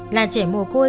là trẻ mùa côi